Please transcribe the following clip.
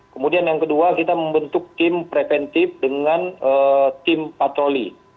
kemudian yang kedua kita membentuk tim preventif dengan tim patroli